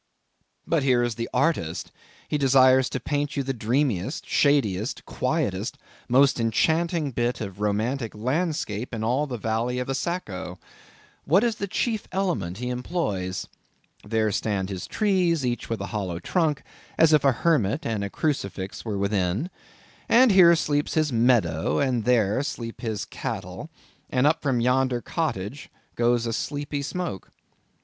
But here is an artist. He desires to paint you the dreamiest, shadiest, quietest, most enchanting bit of romantic landscape in all the valley of the Saco. What is the chief element he employs? There stand his trees, each with a hollow trunk, as if a hermit and a crucifix were within; and here sleeps his meadow, and there sleep his cattle; and up from yonder cottage goes a sleepy smoke.